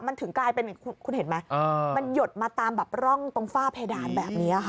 มันถึงกลายเป็นคุณเห็นไหมมันหยดมาตามแบบร่องตรงฝ้าเพดานแบบนี้ค่ะ